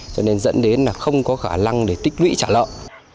cho nên dẫn đến là không có khả năng để tích lũy trả lợi